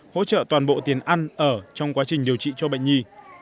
hỗ trợ toàn bộ tiền ăn ở trong quá trình điều trị cho bệnh nhi